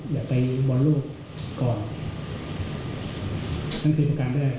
อยากไปวันโลกก่อนนั่นคือประกันได้